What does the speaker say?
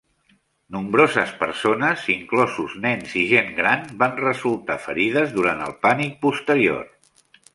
Nombroses persones, inclosos nens i gent gran, van resultar ferides durant el pànic posterior.